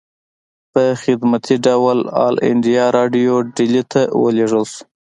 پۀ خدمتي ډول آل انډيا ريډيو ډيلي ته اوليږلی شو